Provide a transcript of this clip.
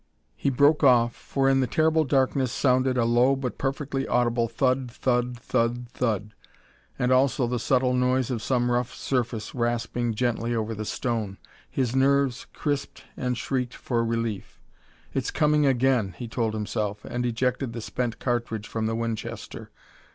He broke off, for in the terrible darkness sounded a low but perfectly audible thud! thud! thud! thud! and also the subtle noise of some rough surface rasping gently over the stone. His nerves crisped and shrieked for relief. "It's coming again!" he told himself, and ejected the spent cartridge from the Winchester.